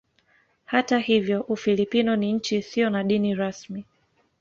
Hata hivyo Ufilipino ni nchi isiyo na dini rasmi.